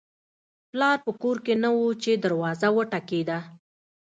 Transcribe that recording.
پلار په کور کې نه و چې دروازه وټکېده